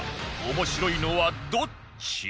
面白いのはどっち？